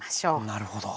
なるほど。